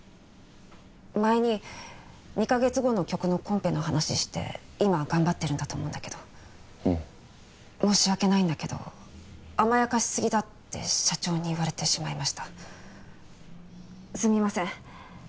前に２カ月後の曲のコンペの話して今頑張ってるんだと思うんだけど申し訳ないんだけど甘やかしすぎだって社長に言われてしまいましたすみません